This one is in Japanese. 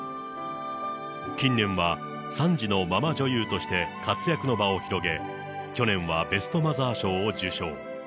近年は３児のママ女優として活躍の場を広げ、去年はベストマザー賞を受賞。